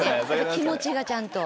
気持ちがちゃんと。